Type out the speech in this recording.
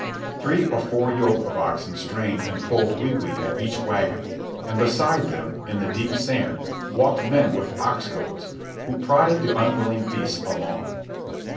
Three or four yoke of oxen strained and pulled weakly at each wagon, and beside them, in the deep sand, walked men with ox goads, who prodded the unwilling beasts along.